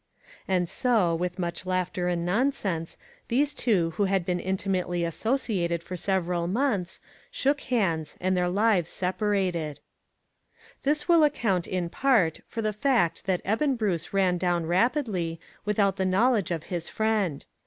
And so, with much laughter and nonsense, these two who had been intimately associ ated for several months, shook hands, and their lives separated. 442 ONE COMMONPLACE DAY. i This will account, in part, for the fact that Eben Bruce ran down rapidly, without the knowledge of his friend.